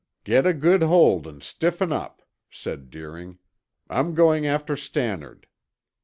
"Get a good hold and stiffen up," said Deering. "I'm going after Stannard."